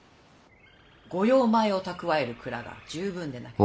御用米を蓄える蔵が十分でなければ。